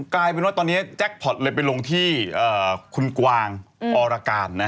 กลายเป็นว่าตอนนี้แจ็คพอร์ตเลยไปลงที่คุณกวางอรการ